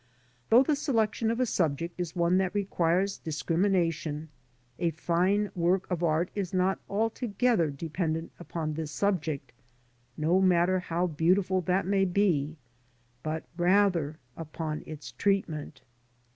Though the selection of a subject is one that requires discrimination, a fine work of art is not altogether dependent upon the subject, no matter how beautiful that may be, but rather upon its treatment.